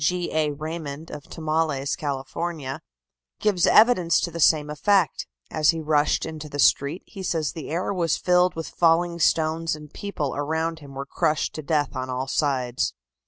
G. A. Raymond, of Tomales, Cal., gives evidence to the same effect. As he rushed into the street, he says that the air was filled with falling stones and people around him were crushed to death on all sides.